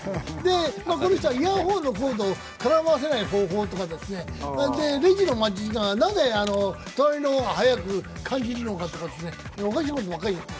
この人は、イヤホンのコードを絡ませない方法とか、レジの待ち時間はなぜ隣の方が速く感じるのかとか、おかしいことばかりやってる。